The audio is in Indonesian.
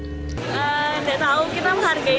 tidak tahu kita menghargai saja strategi politik yang kita lakukan